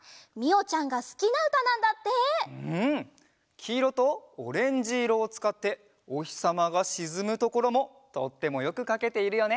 きいろとオレンジいろをつかっておひさまがしずむところもとってもよくかけているよね。